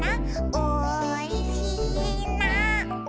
「おいしいな」